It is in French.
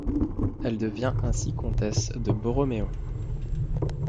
Elle devient ainsi comtesse de Borromeo.